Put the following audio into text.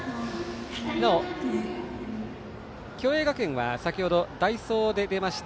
なお共栄学園は先程、代走で出ました